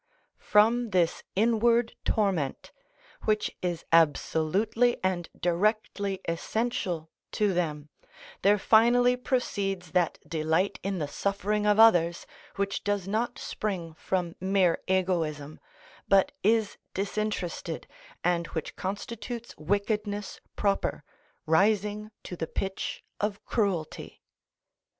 From this inward torment, which is absolutely and directly essential to them, there finally proceeds that delight in the suffering of others which does not spring from mere egoism, but is disinterested, and which constitutes wickedness proper, rising to the pitch of cruelty.